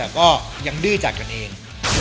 แต่ก็ยังดื้อจากกันเอง